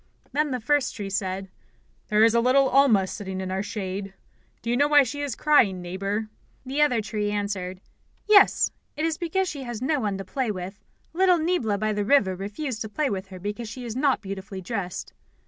Then the first tree said: "There is little Alma sitting in our shade. Do you know why she is crying, Neighbour?" The other tree answered: "Yes, it is because she has no one to play with. Little Niebla by the river refused to play with her because she is not beautifully dressed."